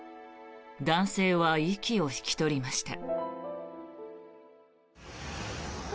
男性は息を引き取りました。